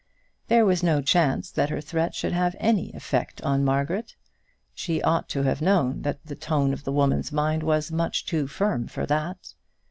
There was no chance that her threat should have any effect on Margaret. She ought to have known that the tone of the woman's mind was much too firm for that.